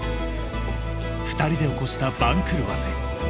二人で起こした番狂わせ。